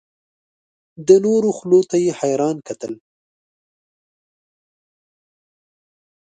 د نورو خولو ته یې حیران کتل.